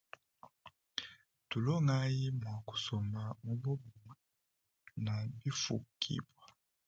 Tulongayi mua kusomba mubobumue na bifukibua.